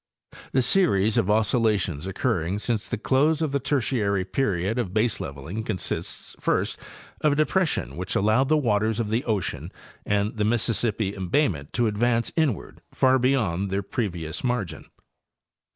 The series of oscillations occurring since the close of the Ter tiary period of baseleveling consists, first, of a depression which allowed the waters of the ocean and the Mississippi embayment to advance inward far beyond their previous margin.